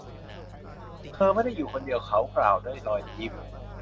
เธอไม่ได้อยู่คนเดียว เขากล่าวด้วยรอยยิ้ม